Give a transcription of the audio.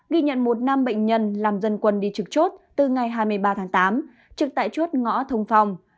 ghi nhận một nam bệnh nhân làm dân quân đi trực chốt từ ngày hai mươi ba tháng tám trực tại chốt ngõ thông phòng